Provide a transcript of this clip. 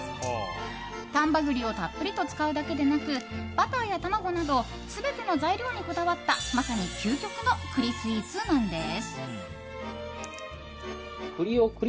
丹波栗をたっぷりと使うだけでなくバターや卵など全ての材料にこだわったまさに究極の栗スイーツなんです。